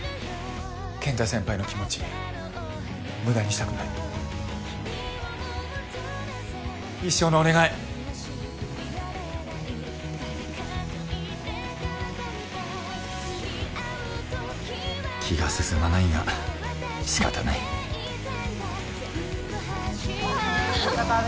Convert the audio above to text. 健太先輩の気持ちムダにしたくない一生のお願い気が進まないが仕方ないわ！